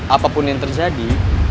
apapun yang terjadi